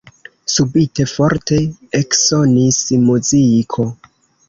Subite forte eksonis muziko.